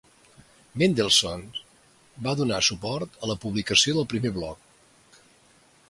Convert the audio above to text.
Mendelssohn va donar suport a la publicació del primer bloc.